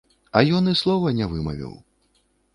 А ён і слова не вымавіў.